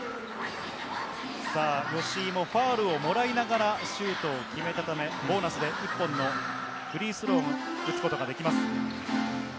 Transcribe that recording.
吉井もファウルをもらいながらシュートを決めたため、ボーナスで１本のフリースローを打つことができます。